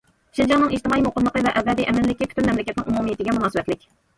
شىنجاڭنىڭ ئىجتىمائىي مۇقىملىقى ۋە ئەبەدىي ئەمىنلىكى پۈتۈن مەملىكەتنىڭ ئومۇمىيىتىگە مۇناسىۋەتلىك.